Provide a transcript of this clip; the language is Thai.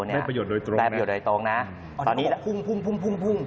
ไม่ประโยชน์โดยตรงนะนะตอนนี้พุ่ง